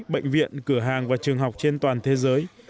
bệnh viện cửa hàng và trường học trên toàn thế giới